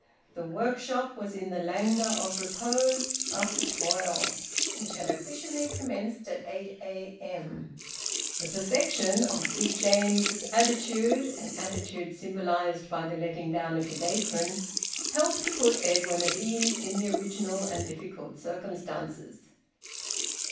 The workshop was in the languor of repose after toil which had officially commenced at 8 a.m. The perfection of Big James's attitude, an attitude symbolised by the letting down of his apron, helped to put Edwin at ease in the original and difficult circumstances.